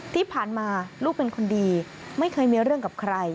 ที่ผ่านมาลูกเป็นคนดีไม่เคยมีเรื่องกับใคร